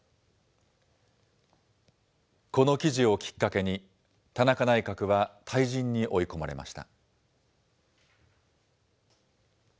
この記事をきっかけに、田中内閣は退陣に追い込まれました。